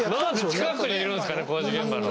近くにいるんですかね工事現場の。